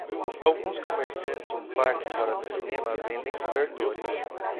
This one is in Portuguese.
Alguns comerciantes em um parque fora do cinema vendem cobertores.